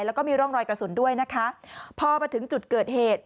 แล้วก็มีร่องรอยกระสุนด้วยนะคะพอมาถึงจุดเกิดเหตุ